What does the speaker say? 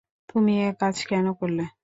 তুমি একাজ কেন করলে?